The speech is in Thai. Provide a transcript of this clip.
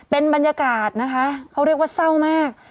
เป็นบรรยากาศนะคะเขาเรียกว่าเศร้ามาก